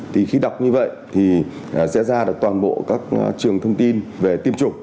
thì khi đọc như vậy thì sẽ ra được toàn bộ các trường thông tin về tiêm chủng